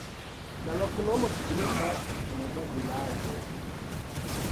La loknomo signifas: nova vilaĝo.